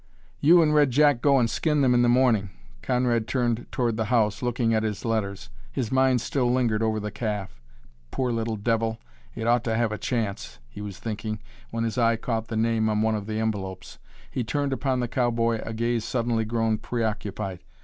"You and Red Jack go and skin them in the morning." Conrad turned toward the house, looking at his letters. His mind still lingered over the calf. "Poor little devil, it ought to have a chance," he was thinking, when his eye caught the name on one of the envelopes. He turned upon the cowboy a gaze suddenly grown preoccupied.